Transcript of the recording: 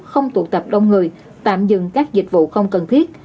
không tụ tập đông người tạm dừng các dịch vụ không cần thiết